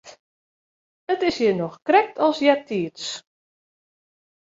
It is hjir noch krekt as eartiids.